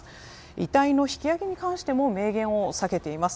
遺体の引き上げに関しても明言を避けています。